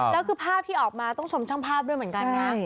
แล้วคือภาพที่ออกมาต้องชมช่างภาพด้วยเหมือนกันนะ